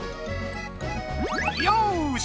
よし！